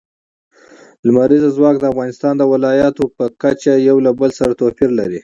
لمریز ځواک د افغانستان د ولایاتو په کچه یو له بل سره توپیر لري.